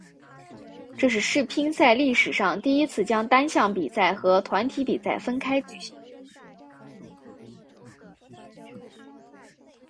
这是世乒赛历史上第一次将单项比赛和团体比赛分开举行。